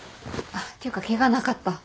ていうかケガなかった？